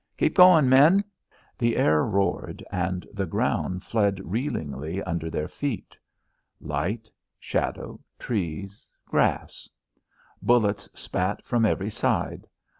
"Keep goin', men." The air roared, and the ground fled reelingly under their feet. Light, shadow, trees, grass. Bullets spat from every side.